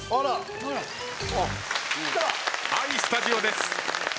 はいスタジオです。